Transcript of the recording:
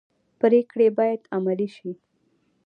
پریکړې باید عملي شي